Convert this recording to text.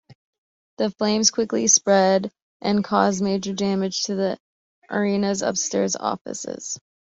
The flames quickly spread and caused major damage to the arena's upstairs offices.